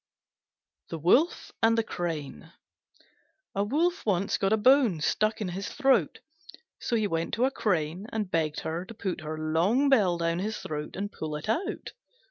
THE WOLF AND THE CRANE A Wolf once got a bone stuck in his throat. So he went to a Crane and begged her to put her long bill down his throat and pull it out.